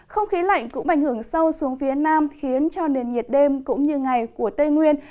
không khí lạnh cũng ảnh hưởng sâu xuống phía nam khiến cho nền nhiệt đêm cũng như ngày của tây nguyên